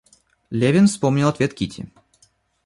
Левин вспомнил ответ Кити.